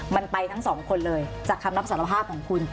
มันไปทั้งสองคนเลยจากคำรับสารภาพของคุณ